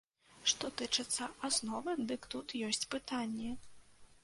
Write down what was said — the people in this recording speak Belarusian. Што тычыцца асновы, дык тут ёсць пытанні.